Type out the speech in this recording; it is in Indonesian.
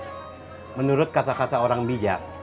karena menurut kata kata orang bijak